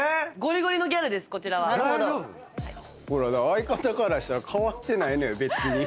相方からしたら変わってないのよ別に。